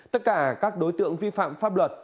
tất cả các đối tượng vi phạm pháp luật